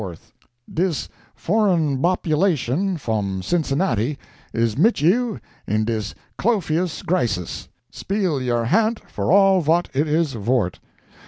Dis foreign boppulations fon Cincinnati is mit you in dis clofious grisus. Speal your hant for all vot it is vort.